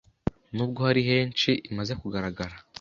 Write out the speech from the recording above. n’ubwo hari henshi imaze kugaragara